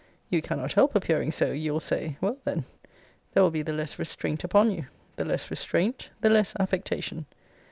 You cannot help appearing so, you'll say. Well, then, there will be the less restraint upon you the less restraint, the less affectation.